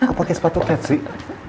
apa pakai sepatu kecik